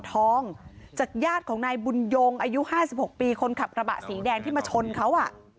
จากญาติของนายบุญยงอายุ๕๖ปีคนขับกระบะสีแดงที่มาชนเขา